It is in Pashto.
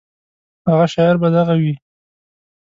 هغه شاعر به دغه وي.